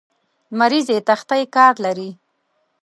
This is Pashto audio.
لمریزې تختې کار لري.